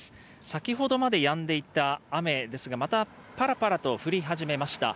先ほどまでやんでいた雨ですがまた、ぱらぱらと降り始めました。